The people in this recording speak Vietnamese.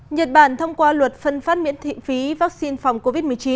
nhật bản thông qua luật phân phát miễn thị phí vaccine phòng covid một mươi chín